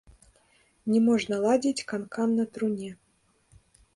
Не можна ладзіць канкан на труне.